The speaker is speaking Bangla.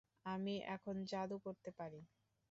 আমি এখন জাদু করতে পারি।